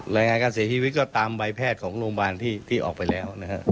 รายงานการเสียชีวิตก็ตามใบแพทย์ของโรงพยาบาลที่ออกไปแล้วนะครับ